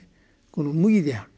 この「無義」である。